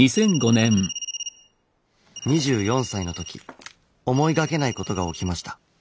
２４歳の時思いがけないことが起きました。